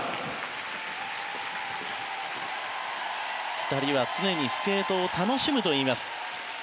２人は常にスケートを楽しむといいます。